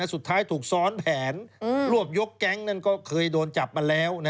สุดท้ายถูกซ้อนแผนรวบยกแก๊งนั้นก็เคยโดนจับมาแล้ว